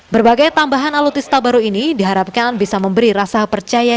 berbagai tambahan alutista baru ini diharapkan bisa memberi rasa percaya